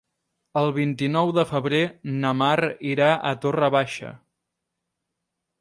El vint-i-nou de febrer na Mar irà a Torre Baixa.